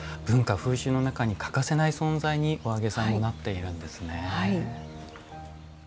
文化風習の中に欠かせない存在にお揚げさんもなっているんですね。